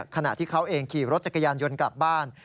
ขณะที่เขาเองขี่รถจักรยานยนต์กลับบ้าน